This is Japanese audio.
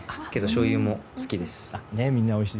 けど、しょうゆも好きです。